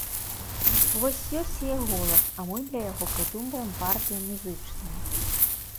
Вось ёсць яе голас, а мы для яго прыдумваем партыі музычныя.